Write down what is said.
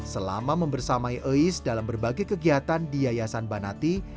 selama membersamai ais dalam berbagai kegiatan di yayasan banati